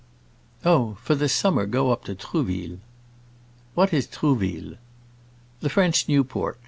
"Oh, for the summer go up to Trouville." "What is Trouville?" "The French Newport.